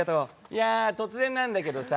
いや突然なんだけどさ。